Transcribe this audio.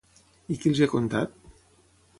I qui els hi ha contat?